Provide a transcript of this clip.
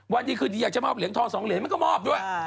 วันดีคืนดีอยากจะมอบเหรียญทอง๒เหรียญมันก็มอบด้วย